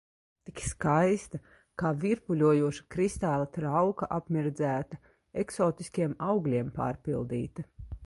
Tik skaista, kā virpuļojoša kristāla trauka apmirdzēta, eksotiskiem augļiem pārpildīta.